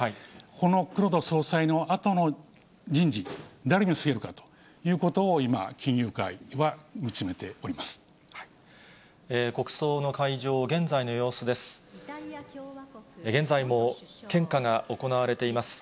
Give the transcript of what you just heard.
この黒田総裁のあとの人事、誰にすげるかということを、今、金融界は見つめております。